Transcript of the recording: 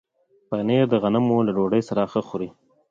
پنېر د غنمو له ډوډۍ سره ښه خوري.